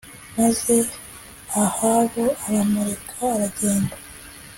maze ahabu aramureka aragenda